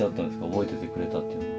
覚えててくれたっていうのは。